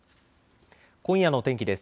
今夜の天気です。